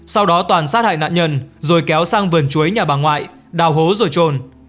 sau đó toàn sát hại nạn nhân rồi kéo sang vườn chuối nhà bà ngoại đào hố rồi trồn